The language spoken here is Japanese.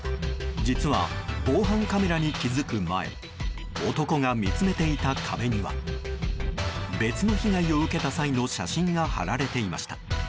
実は、防犯カメラに気づく前男が見つめていた壁には別の被害を受けた際の写真が貼られていました。